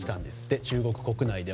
中国国内でも。